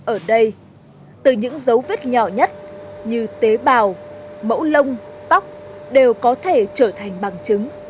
ở đây từ những dấu vết nhỏ nhất như tế bào mẫu lông tóc đều có thể trở thành bằng chứng